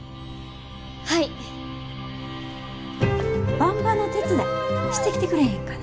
ばんばの手伝いしてきてくれへんかな？